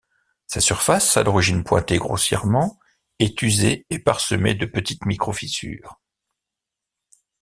Sa surface, à l'origine pointée grossièrement, est usée et parsemée de petites micro-fissures.